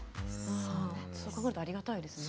そう考えるとありがたいですね。